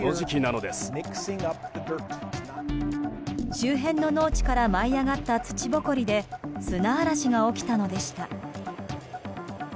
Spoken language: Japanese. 周辺の農地から舞い上がった土ぼこりで砂嵐が起きたのでした。